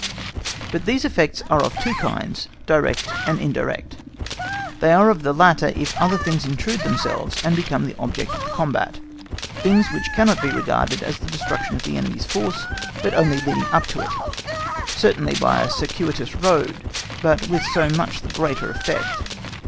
But these effects are of two kinds, direct and indirect they are of the latter, if other things intrude themselves and become the object of the combat—things which cannot be regarded as the destruction of enemy's force, but only leading up to it, certainly by a circuitous road, but with so much the greater effect.